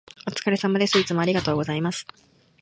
お疲れ様です。いつもありがとうございます。